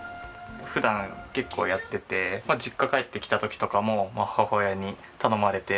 普段結構やってて実家帰ってきた時とかも母親に頼まれて。